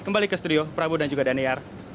kembali ke studio prabu dan juga daniar